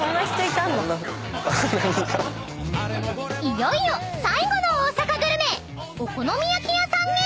［いよいよ最後の大阪グルメお好み焼き屋さんへ］